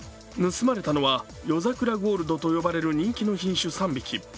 盗まれたのは、夜桜ゴールドと呼ばれる人気の品種３匹。